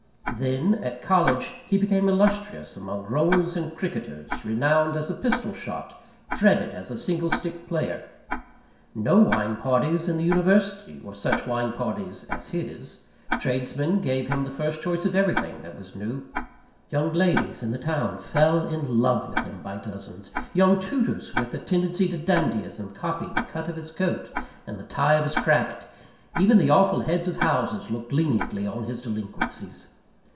Then, at college, he became illustrious among rowers and cricketers, renowned as a pistol shot, dreaded as a singlestick player. No wine parties in the university were such wine parties as his; tradesmen gave him the first choice of everything that was new; young ladies in the town fell in love with him by dozens; young tutors with a tendency to dandyism, copied the cut of his coat and the tie of his cravat; even the awful heads of houses looked leniently on his delinquencies.